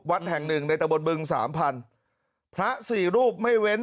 วัดแห่งหนึ่งในตะบนบึงสามพันพระสี่รูปไม่เว้น